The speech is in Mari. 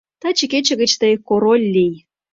— Таче кече гыч тый Король лий.